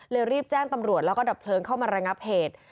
รีบแจ้งตำรวจแล้วก็ดับเพลิงเข้ามาระงับเหตุ